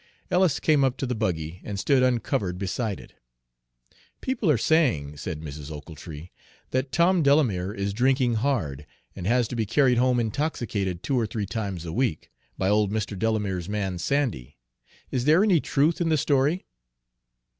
Ellis came up to the buggy and stood uncovered beside it. "People are saying," said Mrs. Ochiltree, "that Tom Delamere is drinking hard, and has to be carried home intoxicated, two or three times a week, by old Mr. Delamere's man Sandy. Is there any truth in the story?"